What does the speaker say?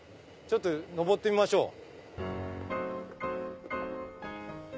ちょっと上ってみましょう。